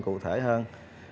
cụ thể hơn